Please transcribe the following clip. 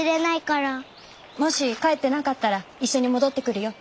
もし帰ってなかったら一緒に戻ってくるよ。